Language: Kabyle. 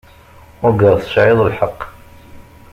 Ugaɣ tesɛid lḥeqq.